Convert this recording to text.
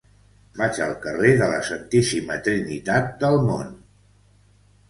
Vaig al carrer de la Santíssima Trinitat del Mont.